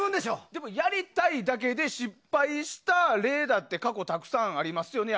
でもやりたいだけで失敗した例だって過去たくさんありますよね。